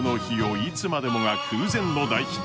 いつまでも」が空前の大ヒット。